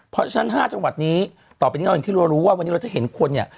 เพราะฉะนั้น๕จังหวัดนี้ต่อไปนี้เราอย่างที่เรารู้ว่าวันนี้เราจะเห็นคนเนี่ย